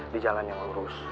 di jalan yang lurus